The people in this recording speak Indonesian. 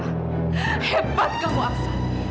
hebat kamu aksan